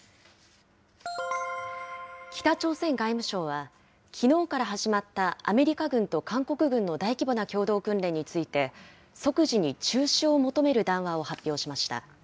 北朝鮮外務省は、きのうから始まったアメリカ軍と韓国軍の大規模な共同訓練について、即時に中止を求める談話を発表しました。